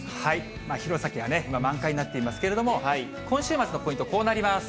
弘前はね、今満開になっていますけれども、今週末のポイント、こうなります。